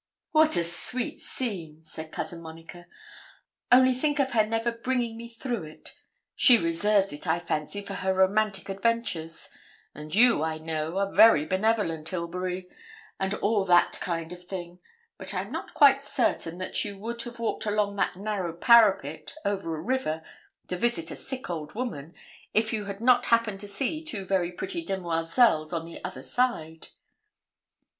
'What a sweet scene!' said Cousin Monica: 'only think of her never bringing me through it. She reserves it, I fancy, for her romantic adventures; and you, I know, are very benevolent, Ilbury, and all that kind of thing; but I am not quite certain that you would have walked along that narrow parapet, over a river, to visit a sick old woman, if you had not happened to see two very pretty demoiselles on the other side.'